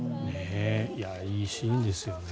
いいシーンですよね。